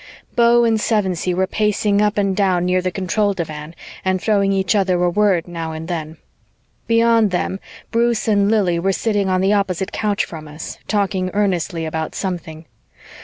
Beau and Sevensee were pacing up and down near the control divan and throwing each other a word now and then. Beyond them, Bruce and Lili were sitting on the opposite couch from us, talking earnestly about something.